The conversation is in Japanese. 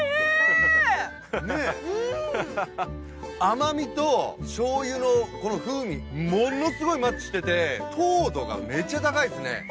甘みとしょうゆのこの風味ものすごいマッチしてて糖度がめっちゃ高いですね。